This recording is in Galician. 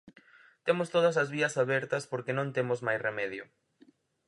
Temos todas as vías abertas porque non temos máis remedio.